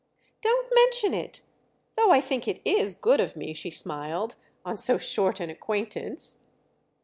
"Don't mention it!—though I think it is good of me," she smiled, "on so short an acquaintance."